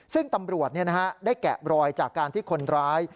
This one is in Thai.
ซึ่งตำรวจได้แกะรอยจากการที่คนร้าย